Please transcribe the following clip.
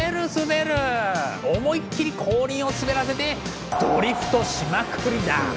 思いっきり後輪を滑らせてドリフトしまくりだ。